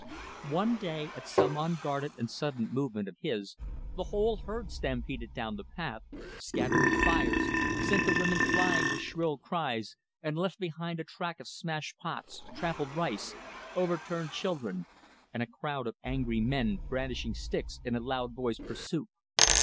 One day, at some unguarded and sudden movement of his, the whole herd stampeded down the path, scattered the fires, sent the women flying with shrill cries, and left behind a track of smashed pots, trampled rice, overturned children, and a crowd of angry men brandishing sticks in loud voiced pursuit.